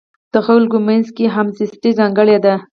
د خلکو منځ کې همزیستي ځانګړې ده.